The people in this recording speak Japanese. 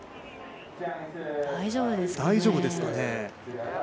大丈夫ですかね。